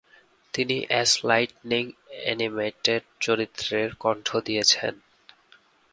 তিনি "Ace Lightning" animated চরিত্রের কণ্ঠ দিয়েছেন।